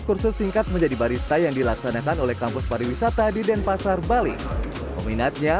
kursus singkat menjadi barista yang dilaksanakan oleh kampus pariwisata di denpasar bali peminatnya